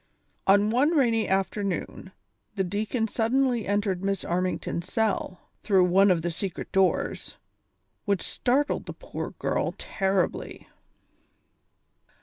On one rainy afternoon the deacon suddenly entered Miss Armington's cell, through one of the secret doors, which startled the poor girl terribly.